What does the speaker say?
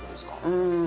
うん。